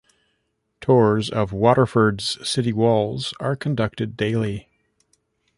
Tours of Waterford's city walls are conducted daily.